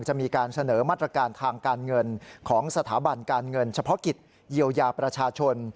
จะมีการเสนอมาตรการทางการเงินของสถาบันการเงินเฉพาะกิจเยียวยาประชาชน